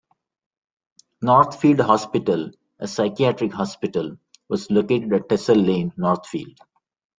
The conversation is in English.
Northfield Hospital, a psychiatric hospital, was located at Tessal Lane, Northfield.